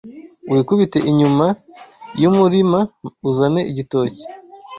wikubite inyuma yumurima uzane igitoki